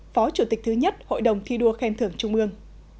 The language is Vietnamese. phó chủ tịch thứ nhất hội đồng thi đua khen thưởng trung ương